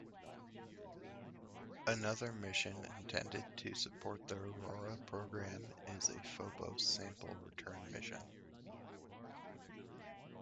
Another mission intended to support the Aurora program is a Phobos sample return mission.